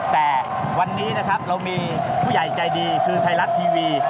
แต่วันนี้นะครับเรามีผู้ใหญ่ใจดีคือไทยรัฐทีวี